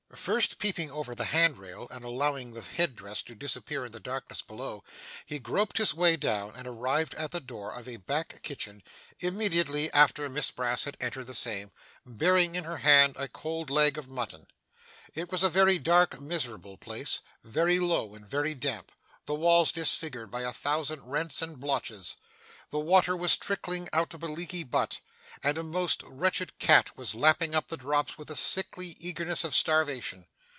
First peeping over the handrail and allowing the head dress to disappear in the darkness below, he groped his way down, and arrived at the door of a back kitchen immediately after Miss Brass had entered the same, bearing in her hand a cold leg of mutton. It was a very dark miserable place, very low and very damp: the walls disfigured by a thousand rents and blotches. The water was trickling out of a leaky butt, and a most wretched cat was lapping up the drops with the sickly eagerness of starvation.